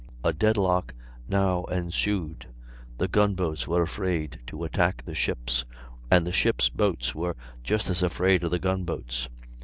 A deadlock now ensued; the gunboats were afraid to attack the ships, and the ships' boats were just as afraid of the gun boats.